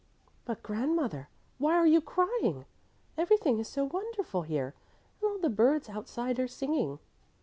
"But grandmother, why are you crying? Everything is so wonderful here, and all the birds outside are singing."